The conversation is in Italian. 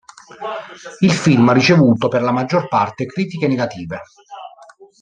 Il film ha ricevuto per la maggior parte critiche negative.